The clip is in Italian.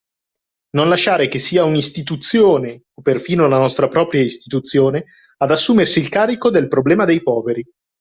Non lasciare che sia un’istituzione, o perfino la nostra propria istituzione, ad assumersi il carico del problema dei poveri